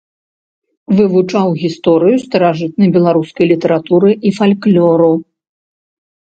Вывучаў гісторыю старажытнай беларускай літаратуры і фальклору.